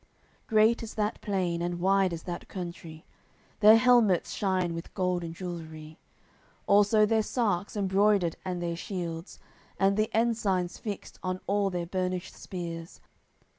AOI. CCXXXVIII Great is that plain, and wide is that country; Their helmets shine with golden jewellery, Also their sarks embroidered and their shields, And the ensigns fixed on all their burnished spears.